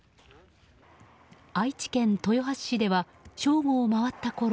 愛知県豊橋市では正午を回ったころ